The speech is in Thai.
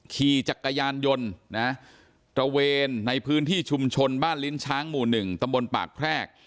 ขี่จักรยานยนต์นะตระเวนในพื้นที่ชุมชนบ้านลิ้นช้างหมู่๑ตำบลปากแพรก